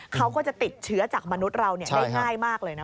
เขาก็จะติดเชื้อจากมนุษย์เราได้ง่ายมากเลยนะ